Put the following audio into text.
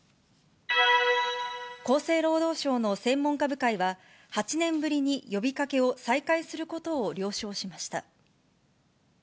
厚生労働省の専門家部会は、８年ぶりに呼びかけを再開することを了承しました。